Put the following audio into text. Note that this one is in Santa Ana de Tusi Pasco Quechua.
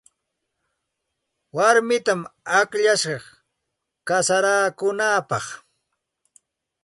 Warmitam akllashaq kasarakunaapaq.